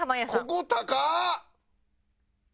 「ここ高っ！」。